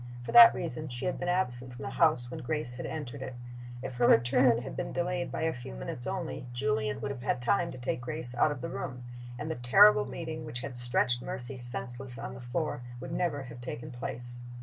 For that reason she had been absent from the house when Grace had entered it. If her return had been delayed by a few minutes only, Julian would have had time to take Grace out of the room, and the terrible meeting which had stretched Mercy senseless on the floor would never have taken place.